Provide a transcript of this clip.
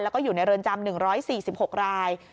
แล้วก็อยู่ในเรือนจำ๑๔๖ราย